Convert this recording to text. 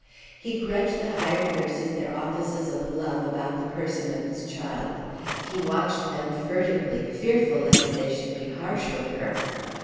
He grudged the hired nurses their offices of love about the person of his child. He watched them furtively, fearful lest they should be harsh with her.